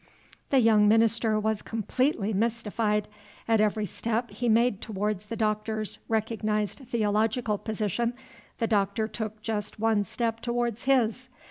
The younger minister was completely mystified. At every step he made towards the Doctor's recognized theological position, the Doctor took just one step towards his.